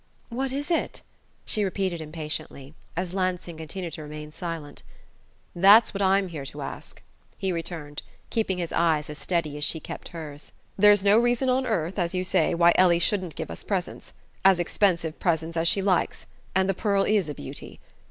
"What is it?" she repeated impatiently, as Lansing continued to remain silent. "That's what I'm here to ask," he returned, keeping his eyes as steady as she kept hers. "There's no reason on earth, as you say, why Ellie shouldn't give us presents as expensive presents as she likes; and the pearl is a beauty.